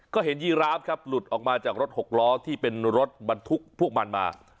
ก็เห็นยีราฟครับหลุดออกมาจากรถหกล้อที่เป็นรถบรรทุกพวกมันมา